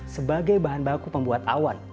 sebagai bahan baku pembuat awan